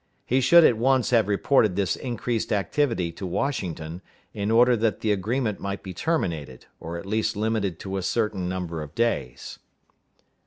He should at once have reported this increased activity to Washington, in order that the agreement might be terminated, or at least limited to a certain number of days.